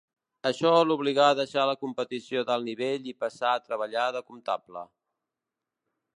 Això l'obligà a deixar la competició d'alt nivell i passà a treballar de comptable.